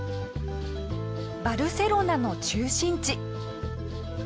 バルセロナの中心地。